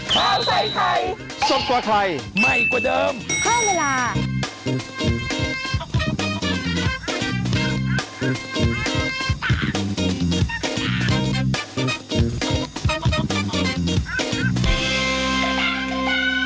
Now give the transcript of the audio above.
โปรดติดตามตอนต่อไป